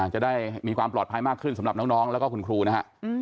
จะได้มีความปลอดภัยมากขึ้นสำหรับน้องแล้วก็คุณครูนะฮะ